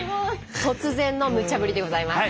突然のむちゃ振りでございます。